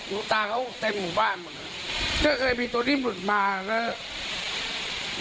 ลูกตาเขาเต็มหมู่บ้านหมดเคยเคยมีตัวนิ่มหลุดมาแล้ว